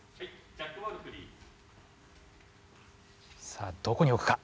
さあどこにおくか。